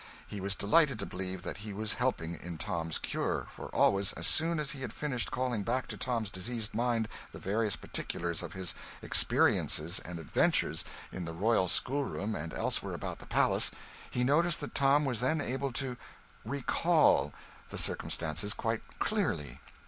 He was delighted to believe that he was helping in Tom's 'cure'; for always, as soon as he had finished calling back to Tom's diseased mind the various particulars of his experiences and adventures in the royal school room and elsewhere about the palace, he noticed that Tom was then able to 'recall' the circumstances quite clearly.